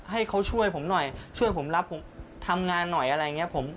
ให้เขาช่วยผมหน่อยช่วยผมรับผมทำงานหน่อยอะไรอย่างนี้